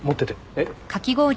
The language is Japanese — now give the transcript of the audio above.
えっ？